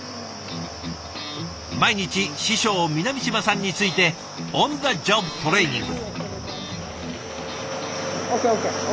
毎日師匠南島さんについてオン・ザ・ジョブ・トレーニング。